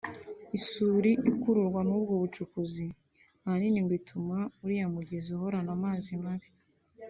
isuri ikururwa n’ubwo bucukuzi ahanini ngo ituma uriya mugezi uhorana amazi mabi